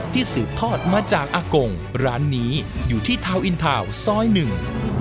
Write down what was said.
สืบทอดมาจากอากงร้านนี้อยู่ที่ทาวนอินทาวน์ซอยหนึ่ง